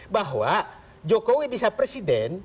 bahwa jokowi bisa presiden